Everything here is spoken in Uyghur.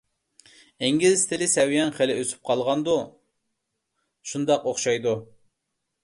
_ ئىنگلىز تىلى سەۋىيەڭ خېلى ئۆسۈپ قالغاندۇ؟ _ شۇنداق ئوخشايدۇ.